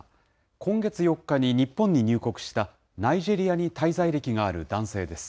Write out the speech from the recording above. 今月４日に日本に入国したナイジェリアに滞在歴がある男性です。